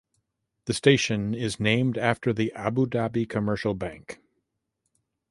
The station is named after the Abu Dhabi Commercial Bank.